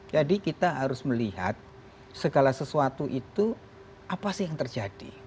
jadi kita harus melihat segala sesuatu itu apa sih yang terjadi